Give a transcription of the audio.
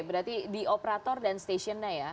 berarti di operator dan stasiunnya ya